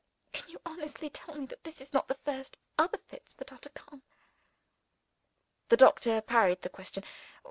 "Can you honestly tell me that this is not the first of other fits that are to come?" The doctor parried the question.